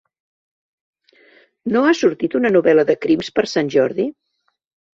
No ha sortit una novel·la de crims per Sant Jordi?